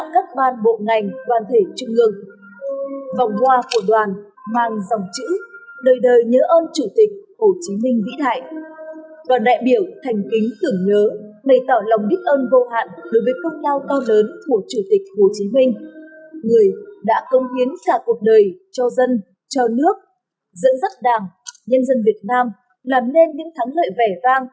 các bạn hãy đăng ký kênh để ủng hộ kênh của chúng mình nhé